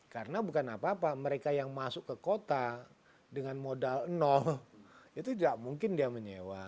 karena bukan apa apa mereka yang masuk ke kota dengan modal nol itu tidak mungkin dia menyewa